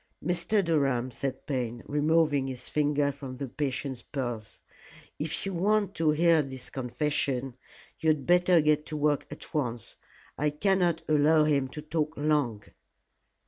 "Mr. Durham," said Payne, removing his finger from the patient's pulse, "if you want to hear this confession you had better get to work at once. I cannot allow him to talk long."